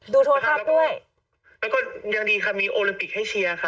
โทรทัศน์ด้วยแล้วก็ยังดีค่ะมีโอลิมปิกให้เชียร์ค่ะ